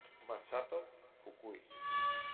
Masato Fukui